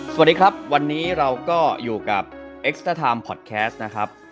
สวัสดีครับวันนี้เราก็อยู่กับเอ็กซ์เตอร์ไทม์พอดแคสต์นะครับ